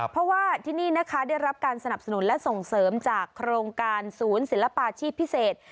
เพราะว่าที่นี่นะคะได้รับการสนับสนุนและส่งเสริมจากโครงการศูนย์ศิลปาชีพพิเศษ